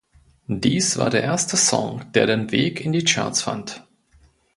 Dies war der erste Song, der den Weg in die Charts fand.